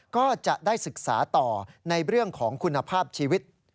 ก็จะได้ศึกษาต่อในเรื่องของคุณภาพชีวิต